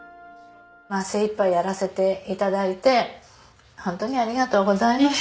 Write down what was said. まあ精いっぱいやらせて頂いてホントにありがとうございました。